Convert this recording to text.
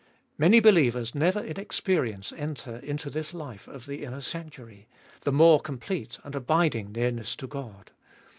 Many believers never in experience enter into this life of the inner sanctuary, the more complete and abiding nearness to God.